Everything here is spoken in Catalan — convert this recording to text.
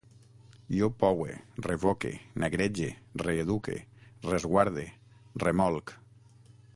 Jo poue, revoque, negrege, reeduque, resguarde, remolc